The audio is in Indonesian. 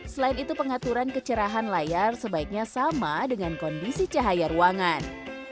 selain itu pengaturan kecerahan layar sebaiknya sama dengan kondisi cahaya ruangan